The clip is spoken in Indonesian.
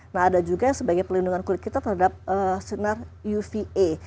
nah ada juga yang sebagai pelindungan kulit kita terhadap sinar uva